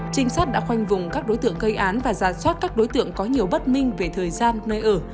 trinh sát đã khoanh vùng các đối tượng gây án và giả soát các đối tượng có nhiều bất minh về thời gian nơi ở